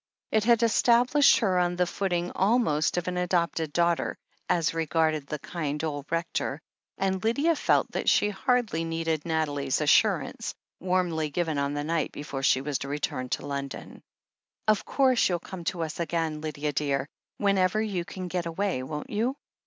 It had established her on the footing almost of an adopted daughter, as regarded the kind old Rec tor, and Lydia felt that she hardly needed Nathalie's assurance, warmly given on the night before she was to return to London : "Of course you'll come to us again, Lydia dear, whenever you can get away, won't you?